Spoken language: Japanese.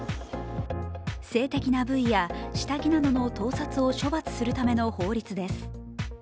性的な部位や下着などの盗撮を処罰するための法律です。